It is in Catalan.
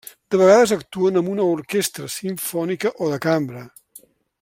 De vegades actuen amb una orquestra simfònica o de cambra.